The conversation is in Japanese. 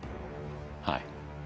はい。